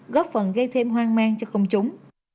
góp phần gây thêm hoang mang cho công chúng